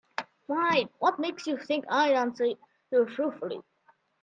Fine, what makes you think I'd answer you truthfully?